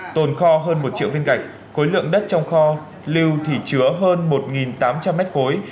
tồn kho hơn một triệu viên gạch khối lượng đất trong kho lưu thì chứa hơn một tám trăm linh mét khối